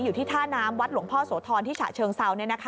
อยู่ที่ท่าน้ำวัดหลวงพ่อโสธรที่ฉะเชิงเซา